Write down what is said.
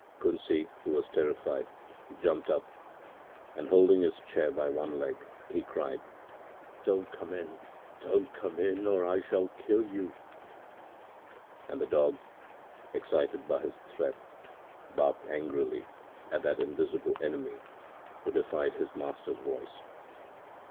Kunsi, who was terrified, jumped up, and, holding his chair by one leg, he cried: “Don't come in, don't come in, or I shall kill you.” And the dog, excited by this threat, barked angrily at that invisible enemy who defied his master's voice.